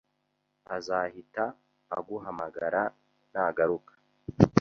Azahita aguhamagara nagaruka